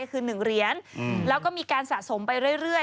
คือ๑เหรียญแล้วก็มีการสะสมไปเรื่อย